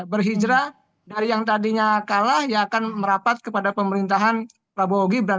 berhijrah dari yang tadinya kalah yang akan merapat kepada pemerintahan prabowo gibran